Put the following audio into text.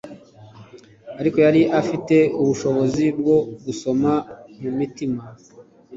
ariko yari afite ubushobozi bwo gusoma mu mitima.